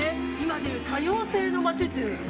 今でいう多様性の街っていう。